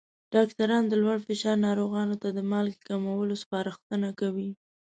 ډاکټران له لوړ فشار ناروغانو ته د مالګې کمولو سپارښتنه کوي.